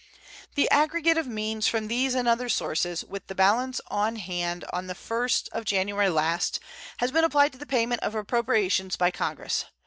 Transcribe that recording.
The aggregate of means from these and other sources, with the balance on hand on the 1st of January last, has been applied to the payment of appropriations by Congress.